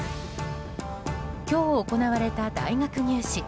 今日行われた大学入試。